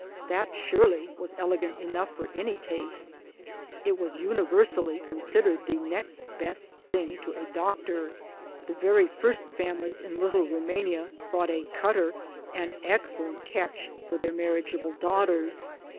That, surely, was elegant enough for any taste. It was universally considered the next best thing to a doctor. The very first families in Little Rumania thought a " cotter " an excellent catch for their marriage able daughters.